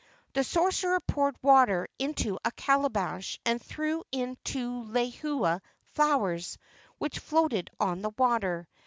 The sorcerer poured water into a calabash and threw in two lehua flowers, which floated on the water.